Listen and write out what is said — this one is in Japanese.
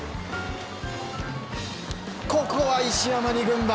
ここは石山に軍配。